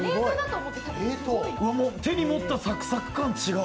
手に持ったサクサク感違う！